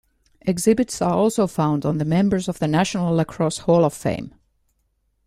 Exhibits are also found on the Members of the National Lacrosse Hall of Fame.